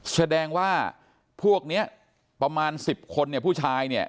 แสดงว่าพวกเนี้ยประมาณ๑๐คนเนี่ยผู้ชายเนี่ย